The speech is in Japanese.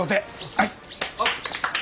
はい。